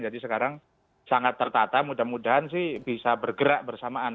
jadi sekarang sangat tertata mudah mudahan sih bisa bergerak bersamaan